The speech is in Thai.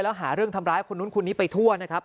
แล้วหาเรื่องทำร้ายคนนู้นคนนี้ไปทั่วนะครับ